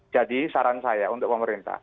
jadi saran saya untuk pemerintah